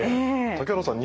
竹原さん